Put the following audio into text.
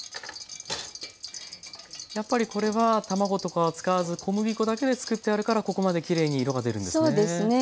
やっぱりこれは卵とかは使わず小麦粉だけで作ってあるからここまできれいに色が出るんですね。